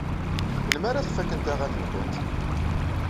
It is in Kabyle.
Melmi ara tfakemt aɣan-nwent?